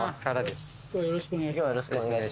よろしくお願いします。